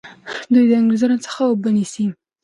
دوی د انګریزانو څخه اوبه نیسي.